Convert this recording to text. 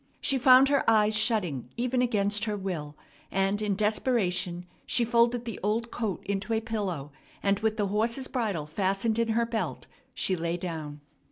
She found her eyes shutting even against her will; and in desperation she folded the old coat into a pillow, and with the horse's bridle fastened in her belt she lay down.